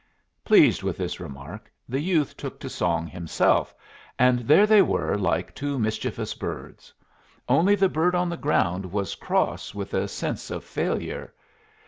Pleased with this remark, the youth took to song himself; and there they were like two mischievous birds. Only the bird on the ground was cross with a sense of failure.